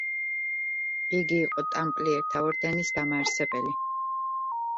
იგი იყო „ტამპლიერთა ორდენის“ დამაარსებელი.